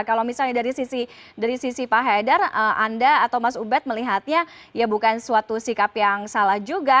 kalau misalnya dari sisi pak haidar anda atau mas ubed melihatnya ya bukan suatu sikap yang salah juga